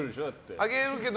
あげるけど。